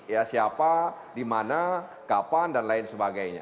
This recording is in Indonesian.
ya siapa di mana kapan dan lain sebagainya